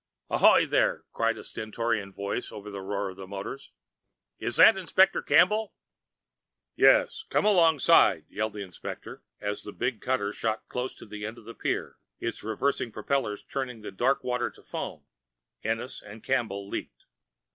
"Ahoy, there!" called a stentorian voice over the roar of the motors. "Is that Inspector Campbell?" "Yes. Come alongside," yelled the inspector, and as the big cutter shot close to the end of the pier, its reversing propellers churning the dark water to foam, Ennis and Campbell leaped.